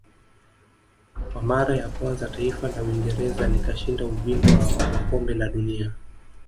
Kwa mara ya kwanza taifa la Uingereza likashinda ubingwa wa kombe la dunia